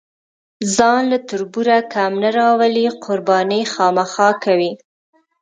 ځان له تربوره کم نه راولي، قرباني خامخا کوي.